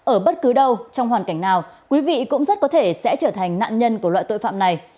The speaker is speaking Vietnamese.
ở bất cứ đâu trong hoàn cảnh nào quý vị cũng rất có thể sẽ trở thành nạn nhân của loại tội phạm này